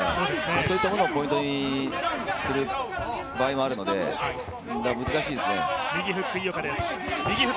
そういったものをポイントにする場合もあるので難しいですね。